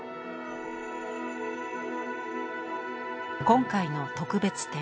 今回の特別展